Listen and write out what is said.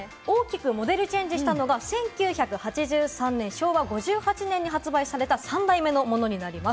大きくモデルチェンジしたのが１９８３年、昭和５８年に発売された３代目のものになります。